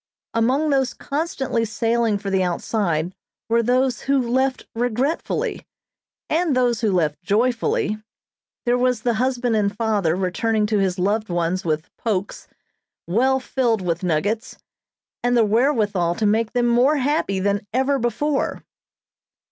Among those constantly sailing for the outside were those who left regretfully, and those who left joyfully; there was the husband and father returning to his loved ones with "pokes," well filled with nuggets, and the wherewithal to make them more happy than ever before.